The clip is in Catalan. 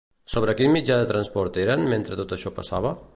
Sobre quin mitjà de transport eren, mentre tot això passava?